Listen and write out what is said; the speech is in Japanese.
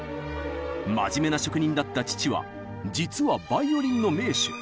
真面目な職人だった父は実はバイオリンの名手。